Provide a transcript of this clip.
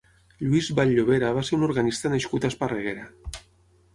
Lluís Vall-Llobera va ser un organista nascut a Esparreguera.